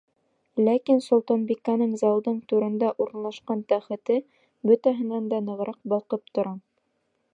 Ләкин солтанбикәнең залдың түрендә урынлашҡан тәхете бөтәһенән дә нығыраҡ балҡып тора.